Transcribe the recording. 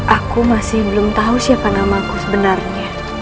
aku masih belum tahu siapa namaku sebenarnya